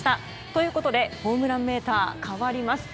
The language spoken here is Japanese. ということでホームランメーター変わります。